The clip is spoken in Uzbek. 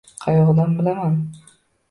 Qayoqdan bilaman.